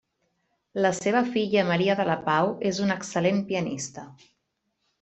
La seva filla Maria de la Pau, és una excel·lent pianista.